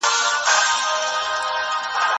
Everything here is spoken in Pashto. ټولنپوه د پېښو پر عامو خاصيتونو ټينګار کوي.